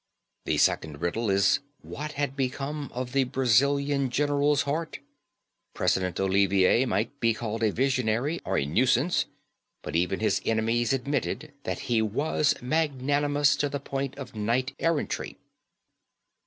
The second riddle is, what had become of the Brazilian general's heart? President Olivier might be called a visionary or a nuisance; but even his enemies admitted that he was magnanimous to the point of knight errantry.